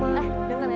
eh denger ya